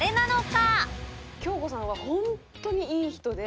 京子さんは本当にいい人で。